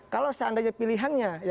kalau seandainya pilihannya